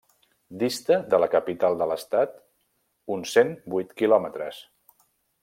Dista de la capital de l'estat uns cent vuit quilòmetres.